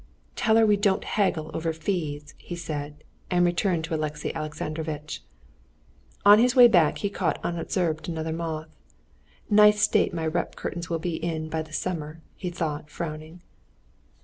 "Tell her we don't haggle over fees!" he said, and returned to Alexey Alexandrovitch. On his way back he caught unobserved another moth. "Nice state my rep curtains will be in by the summer!" he thought, frowning.